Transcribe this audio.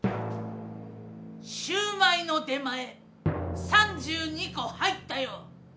シューマイの出前３２こ入ったよ！